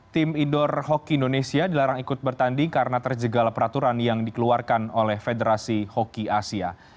tim indoor hoki indonesia dilarang ikut bertanding karena terjegal peraturan yang dikeluarkan oleh federasi hoki asia